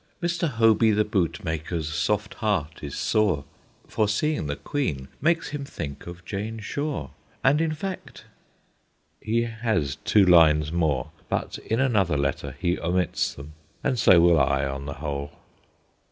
HOBY THE BOOTMAKER 263 * Mr. Hoby the Bootmaker's soft heart is sore, For seeing the Queen makes him think of Jane Shore, And in fact ' He has two lines more, but in another letter he omits them, and so will I, on the whole.